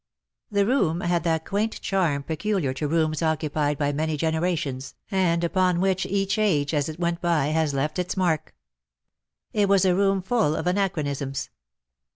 The room had that quaint charm peculiar to rooms occupied by many generations, and upon which each age as it went by has left its mark. It was a room full of anachronisms.